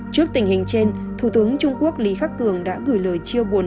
trước tình hình trên thủ tướng trung quốc lý khắc cường đã gửi lời chia buồn